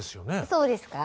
そうですか？